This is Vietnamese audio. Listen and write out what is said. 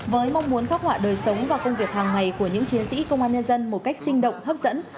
với mong muốn khắc họa đời sống và công việc hàng ngày của những chiến sĩ công an nhân dân một cách sinh động hấp dẫn